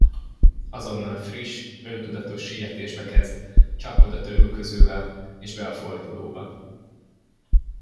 Azonnal friss, öntudatos sietésbe kezd, csapkod a törülközővel, és be a fordulóba.